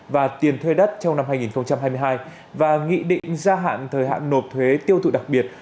và tiền thuê đất trong năm hai nghìn hai mươi hai và nghị định gia hạn thời hạn nộp thuế tiêu thụ đặc biệt